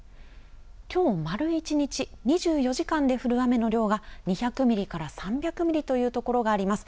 きょう丸１日、２４時間で降る雨の量が、２００ミリから３００ミリというところがあります。